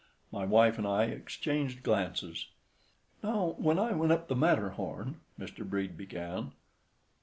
My wife and I exchanged glances. "Now, when I went up the Matterhorn" Mr. Brede began.